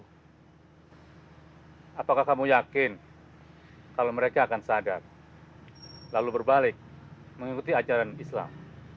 hai apakah kamu yakin kalau mereka akan sadar lalu berbalik mengikuti ajaran islam